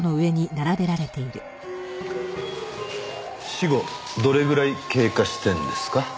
死後どれぐらい経過してるんですか？